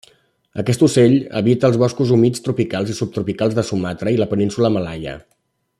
Aquest ocell habita els boscos humits tropicals i subtropicals de Sumatra i la Península Malaia.